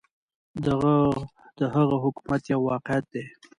د هغه حکومت یو واقعیت دی.